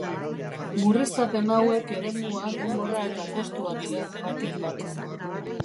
Murriztapen hauek eremua, denbora eta kostua dira, batik bat.